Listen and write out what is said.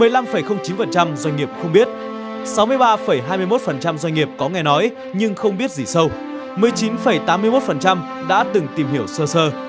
một mươi năm chín doanh nghiệp không biết sáu mươi ba hai mươi một doanh nghiệp có nghe nói nhưng không biết gì sâu một mươi chín tám mươi một đã từng tìm hiểu sơ sơ